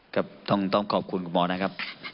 ครับต้องขอบคุณคุณหมอนะครับ